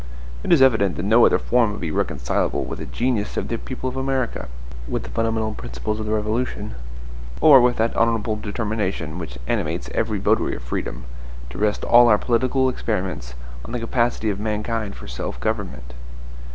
It is evident that no other form would be reconcilable with the genius of the people of America; with the fundamental principles of the Revolution; or with that honorable determination which animates every votary of freedom, to rest all our political experiments on the capacity of mankind for self government.